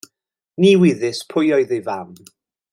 Ni wyddys pwy oedd ei fam.